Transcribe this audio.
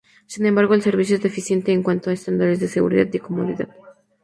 Sin embargo el servicio es deficiente en cuanto a estándares de seguridad y comodidad.